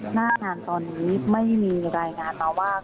หน้างานตอนนี้ไม่มีรายงานมาว่า